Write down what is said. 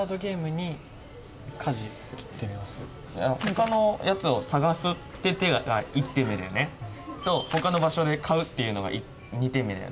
ほかのやつを探すって手が１点目だよね。とほかの場所で買うっていうのが２点目だよね。